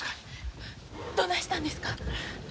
どないしたんですか？